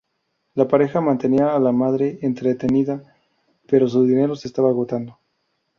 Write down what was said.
La pareja mantiene a la madre entretenida pero su dinero se está agotando.